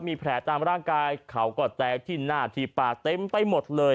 มีแผลตามร่างกายเขาก็แตกที่หน้าที่ปากเต็มไปหมดเลย